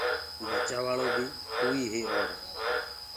بچآوآݪو بي توئيٚ هي اور